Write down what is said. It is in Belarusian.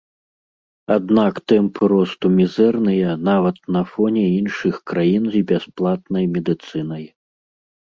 Аднак тэмпы росту мізэрныя нават на фоне іншых краін з бясплатнай медыцынай.